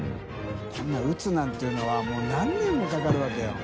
海鵑打つなんていうのはもう何年もかかるわけよ。